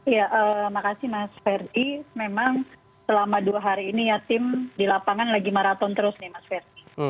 ya makasih mas ferdi memang selama dua hari ini ya tim di lapangan lagi maraton terus nih mas ferdi